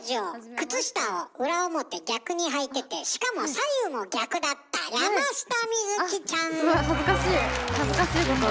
靴下を裏表逆にはいててしかも左右も逆だったすごい恥ずかしい恥ずかしいことを。